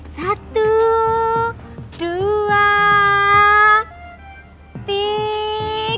satu dua tiga